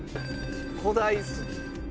古代杉。